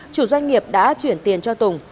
chủ doanh nghiệp đã chuyển tiền cho tùng